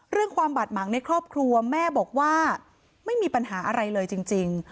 ความบาดหมางในครอบครัวแม่บอกว่าไม่มีปัญหาอะไรเลยจริง